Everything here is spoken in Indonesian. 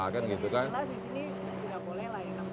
jelas di sini tidak boleh lah ya